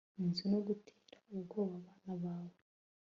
inzu no gutera ubwoba abana bawe